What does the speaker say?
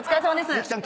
幸ちゃん